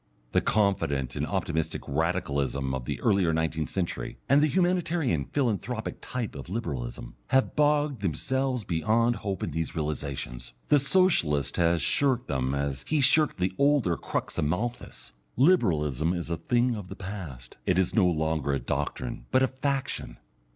The confident and optimistic Radicalism of the earlier nineteenth century, and the humanitarian philanthropic type of Liberalism, have bogged themselves beyond hope in these realizations. The Socialist has shirked them as he has shirked the older crux of Malthus. Liberalism is a thing of the past, it is no longer a doctrine, but a faction.